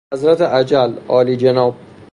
حضرت اجل، عالیجناب